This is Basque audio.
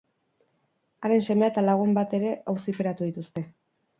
Haren semea eta lagun bat ere auziperatu dituzte.